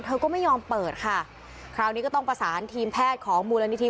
เธอก็ไม่ยอมเปิดค่ะคราวนี้ก็ต้องประสานทีมแพทย์ของมูลนิธิ